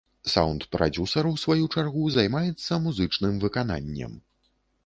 Саўнд-прадзюсар, у сваю чаргу, займаецца музычным выкананнем.